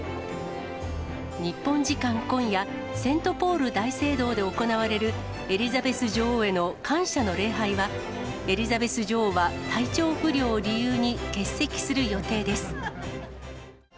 日本時間今夜、セントポール大聖堂で行われる、エリザベス女王への感謝の礼拝は、エリザベス女王は体調不良を理由に欠席する予定です。